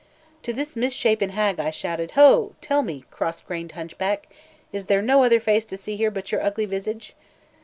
To this misshapen hag I shouted: "Ho! tell me, cross grained hunchback, is there no other face to see here but your ugly visage?"